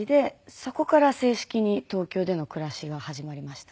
そこから正式に東京での暮らしが始まりましたね。